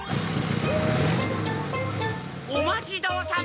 お待ちどおさま！